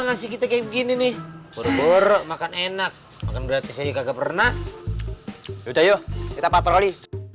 ngasih kita kayak begini nih borok borok makan enak makan gratis enggak pernah yuk kita patroli